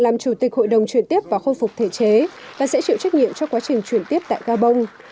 làm chủ tịch hội đồng chuyển tiếp và khôi phục thể chế và sẽ chịu trách nhiệm cho quá trình chuyển tiếp tại gabon